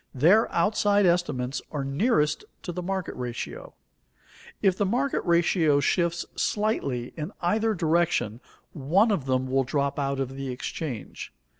Their outside estimates are nearest to the market ratio. If the market ratio shifts slightly in either direction, one of them will drop out of the exchange.